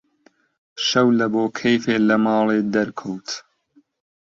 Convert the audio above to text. شەو لەبۆ کەیفێ لە ماڵێ دەرکەوت: